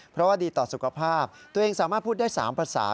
เพราะว่าดีต่อสุขภาพตัวเองสามารถพูดได้๓ภาษา